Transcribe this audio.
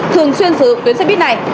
thường xuyên sử dụng tuyến xe buýt này